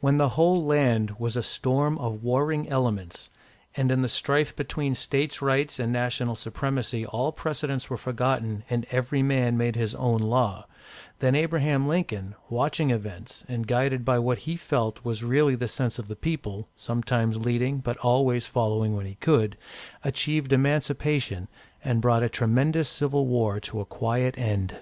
When the whole land was a storm of warring elements, and in the strife between States' Rights and National Supremacy all precedents were forgotten and every man made his own law, then Abraham Lincoln, watching events, and guided by what he felt was really the sense of the people, sometimes leading, but always following when he could, achieved Emancipation, and brought a tremendous civil war to a quiet end.